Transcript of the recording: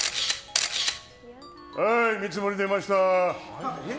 はーい、見積もり出ました！